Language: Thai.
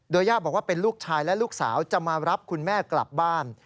ย่าบอกว่าเป็นลูกชายและลูกสาวจะมารับคุณแม่กลับบ้าน